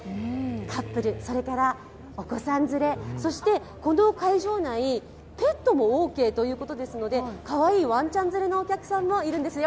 カップル、それからお子さん連れ、この会場内、ペットもオーケーということですので、かわいいわんちゃん連れのお客さんもいるんですよ。